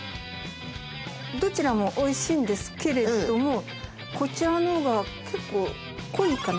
どちらもおいしいんですけれどもこちらの方が結構濃いかな？